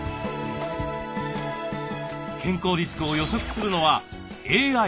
健康リスクを予測するのはＡＩ。